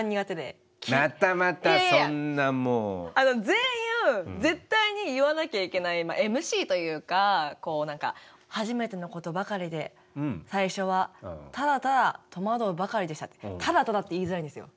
全員絶対に言わなきゃいけないＭＣというか何か「初めてのことばかりで最初はただただ戸惑うばかりでした」って「ただただ」って言いづらいんですよ。